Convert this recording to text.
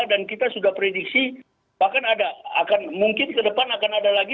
dan kita sudah prediksi bahkan ada mungkin ke depan akan ada lagi